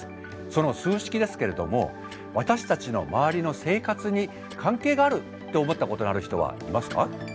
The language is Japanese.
その数式ですけれども私たちの周りの生活に関係があるって思ったことのある人はいますか？